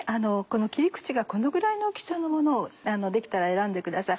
切り口がこのぐらいの大きさのものをできたら選んでください